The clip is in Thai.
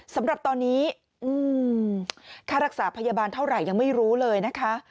สำหรับตอนนี้ค่ารักษาพยาบาลเท่าไหร่ยังไม่รู้เลยนะคะ